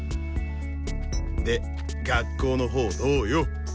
で学校のほうどうよ？